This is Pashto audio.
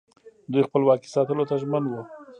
دوی خپلواکي ساتلو ته ژمن وو